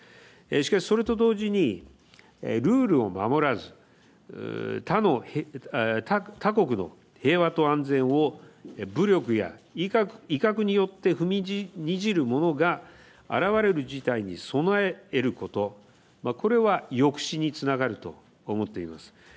しかし、それと同時にルールを守らず、他国の平和と安全を武力や威嚇によって踏みにじるものが現れる事態に備えることこれは抑止につながると思っています。